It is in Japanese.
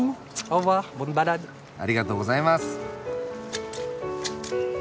ありがとうございます。